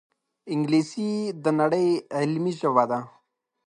انګلیسي د نړۍ علمي ژبه ده